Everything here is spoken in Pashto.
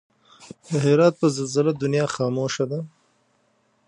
د هرات په زلزله دنيا خاموش ده